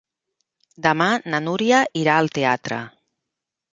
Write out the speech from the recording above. Demà na Núria irà al teatre.